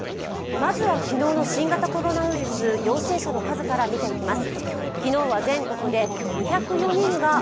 まずは昨日の新型コロナウイルス陽性者の数から見ていきます。